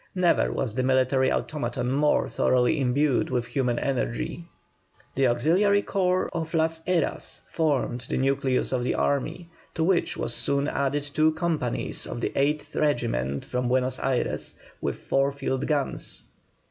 Never was the military automaton more thoroughly endued with human energy. The auxiliary corps of Las Heras formed the nucleus of this army, to which was soon added two companies of the 8th Regiment from Buenos Ayres, with four field guns.